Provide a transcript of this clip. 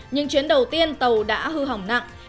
nhưng chuyến đầu tiên tàu đã hư hỏng nặng